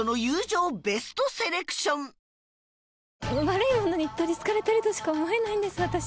悪いものに取りつかれてるとしか思えないんです私。